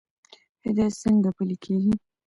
هدایت څنګه پلی کیږي؟